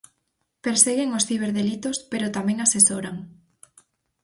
Perseguen os ciberdelitos pero tamén asesoran.